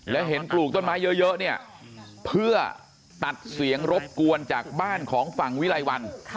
และเห็นปลูกต้นไม้เยอะเนี่ยเพื่อตัดเสียงรบกวนจากบ้านของฝั่งวิรัยวัน